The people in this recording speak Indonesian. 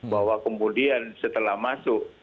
bahwa kemudian setelah masuk